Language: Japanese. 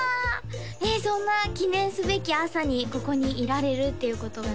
そんな記念すべき朝にここにいられるっていうことがね